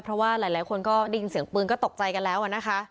เพราะว่าหลายคนก็ได้ยินเสียงปืนก็ตกใจกันแล้วนะคะ